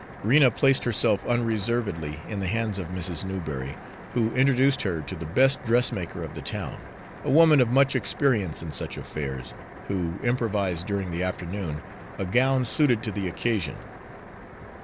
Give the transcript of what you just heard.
Rena placed herself unreservedly in the hands of Mrs. Newberry, who introduced her to the best dressmaker of the town, a woman of much experience in such affairs, who improvised during the afternoon a gown suited to the occasion.